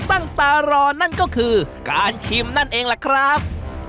ตั้งตารอนั่นก็คือการชิมนั่นเองล่ะครับ